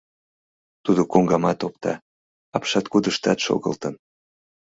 Тудо коҥгамат опта, апшаткудыштат шогылтын.